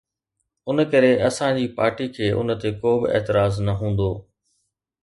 ان ڪري اسان جي پارٽي کي ان تي ڪو به اعتراض نه هوندو.